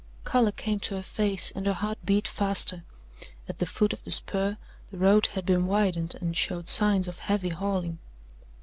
Colour came to her face and her heart beat faster. At the foot of the spur the road had been widened and showed signs of heavy hauling.